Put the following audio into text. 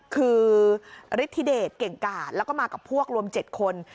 คือฤทธิเดชเก่งกาดแล้วก็มากับพวกรวม๗คน